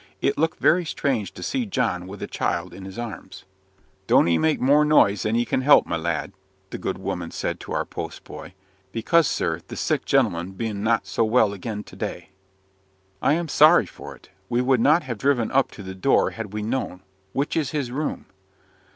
It looked very strange to see John with a child in his arms. "Don't 'ee make more noise than 'ee can help, my lad," the good woman said to our post boy, "because, sir, the sick gentleman bean't so well again to day." "I am sorry for it. We would not have driven up to the door had we known. Which is his room?"